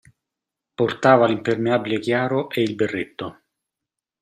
Portava l'impermeabile chiaro e il berretto.